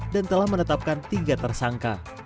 dan telah menetapkan tiga tersangka